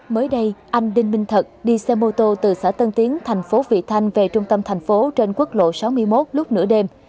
mới đây anh đinh minh thật đi xe mô tô từ xã tân tiến thành phố vị thanh về trung tâm thành phố trên quốc lộ sáu mươi một lúc nửa đêm